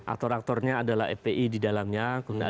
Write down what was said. aktor aktornya adalah fpi di dalamnya